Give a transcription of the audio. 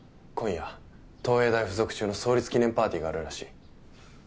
今夜東永大附属中の創立記念パーティーがあるらしい。